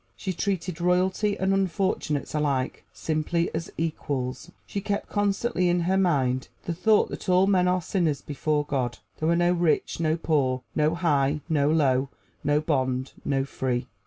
She treated royalty and unfortunates alike simply as equals. She kept constantly in her mind the thought that all men are sinners before God: there are no rich, no poor; no high, no low; no bond, no free.